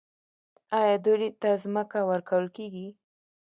آیا دوی ته ځمکه ورکول کیږي؟